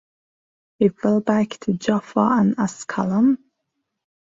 He fell back to Jaffa and Ascalon.